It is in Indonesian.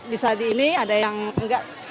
bisa di ini ada yang enggak